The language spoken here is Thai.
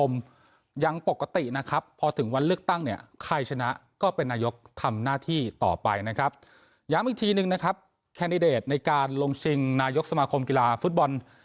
เมื่อวานนี้ก็คือมีภูติศักดิ์ข่าว